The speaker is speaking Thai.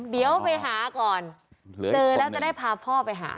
เดี๋ยวไปหาก่อนเจอแล้วจะได้พาพ่อไปหา